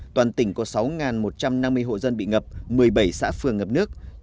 toàn tỉnh có sáu một trăm năm mươi hộ dân bị ngập một mươi bảy xã phường ngập nước